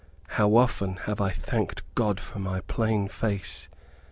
How often have I thanked God for my plain face!